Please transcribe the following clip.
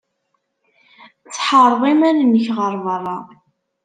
Tḥeṛṛed iman-nnek ɣer beṛṛa.